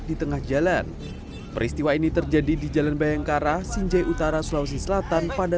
di tengah jalan peristiwa ini terjadi di jalan bayangkara sinjai utara sulawesi selatan pada